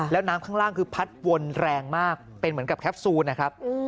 แล้วน้ำข้างล่างคือพัดวนแรงมากเป็นเหมือนกับแคปซูลนะครับ